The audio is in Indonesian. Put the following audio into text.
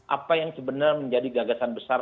apa yang sebenarnya menjadi gagasan besar